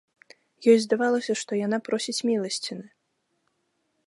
Ёй здавалася, што яна просіць міласціны.